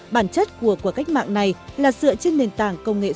bản chất của cuộc cách mạng này là dựa trên nền tảng công nghiệp